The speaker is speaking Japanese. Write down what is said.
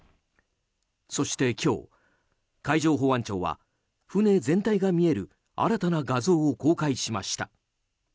そして今日、海上保安庁は船全体が見える新たな画像を公開しました。